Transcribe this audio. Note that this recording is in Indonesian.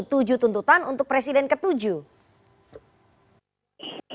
tujuh tuntutan untuk presiden ketujuh